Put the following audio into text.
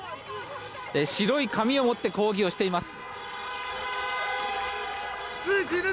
白い紙を持って抗議をしています。